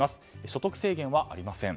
所得制限はありません。